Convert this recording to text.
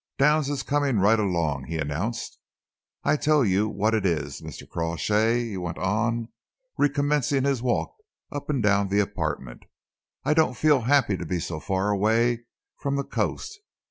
"Downs is coming right along," he announced. "I tell you what it is, Mr. Crawshay," he went on, recommencing his walk up and down the apartment, "I don't feel happy to be so far away from the coast.